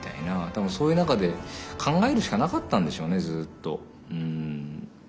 多分そういう中で考えるしかなかったんでしょうねずっと。